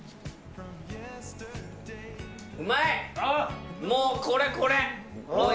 うまい！